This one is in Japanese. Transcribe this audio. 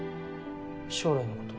将来のこと？